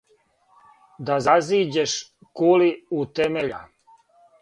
Да зазиђеш кули у темеља: